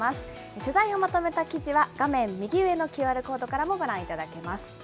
取材をまとめた記事は、画面右上のＱＲコードからもご覧いただけます。